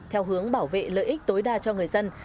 theo hướng bảo vệ lợi ích tối đa cho người dân